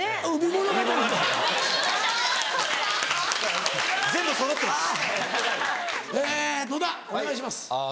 野田お願いします。